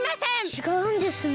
ちがうんですね。